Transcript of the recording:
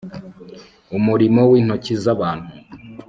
umurimo w intoki z abantu